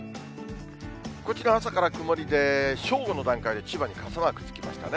こちらは朝から曇りで、正午の段階で千葉に傘マークつきましたね。